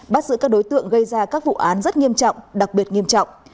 bắt giữ các đối tượng gây ra các vụ án rất nghiêm trọng đặc biệt nghiêm trọng